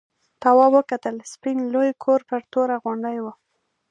تواب وکتل سپین لوی کور پر توره غونډۍ و.